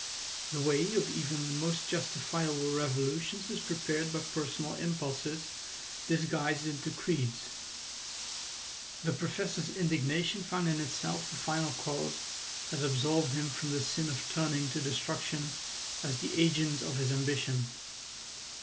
The way of even the most justifiable revolutions is prepared by personal impulses disguised into creeds. The Professor's indignation found in itself a final cause that absolved him from the sin of turning to destruction as the agent of his ambition.